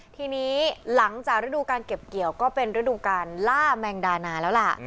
ทีนี้หลังจากฤดูการเก็บเกี่ยวก็เป็นฤดูการล่าแมงดานาแล้วล่ะ